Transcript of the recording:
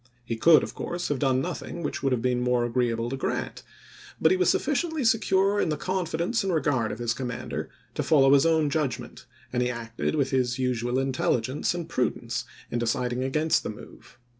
He could, of course, have done nothing which would have been more agreeable to Grant ; but he was sufficiently CEDAR CREEK 313 secure in the confidence and regard of his com chap.xiv. mander to follow his own judgment, and he acted with his usual intelligence and prudence in decid ing against the move.